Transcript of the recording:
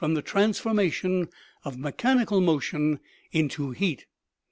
6i the transformation of mechanical motion into heat.